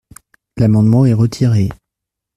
L’amendement est retiré.